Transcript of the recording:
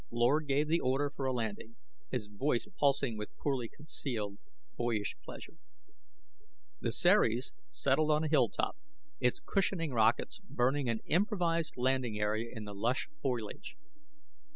Lord gave the order for a landing, his voice pulsing with poorly concealed, boyish pleasure. The Ceres settled on a hilltop, its cushioning rockets burning an improvised landing area in the lush foliage.